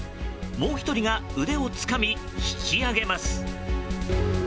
もう１人が腕をつかみ引き上げます。